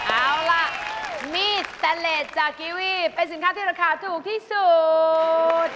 เอาล่ะมีดแตนเลสจากกีวีเป็นสินค้าที่ราคาถูกที่สุด